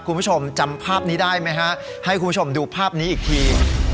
คุณผู้ชมจำภาพนี้ได้ไหมฮะให้คุณผู้ชมดูภาพนี้อีกที